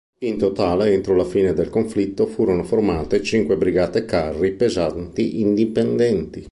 In totale, entro la fine del conflitto furono formate cinque brigate carri pesanti indipendenti.